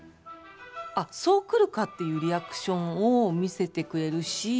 あっ、そうくるかっていうリアクションを見せてくれるし